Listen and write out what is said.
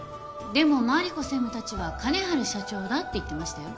でも真梨子専務たちは金治社長だって言ってましたよ。